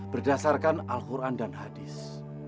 berdasarkan al quran dan hadis